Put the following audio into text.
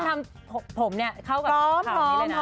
คุณทำผมเข้ากับข้าวนี้เลยนะ